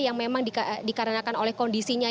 yang memang dikarenakan oleh kondisinya